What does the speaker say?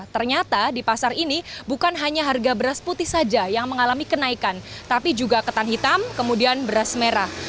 ternyata di pasar ini bukan hanya harga beras putih saja yang mengalami kenaikan tapi juga ketan hitam kemudian beras merah